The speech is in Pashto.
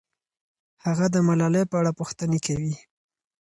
هغه د ملالۍ په اړه پوښتنې کوي.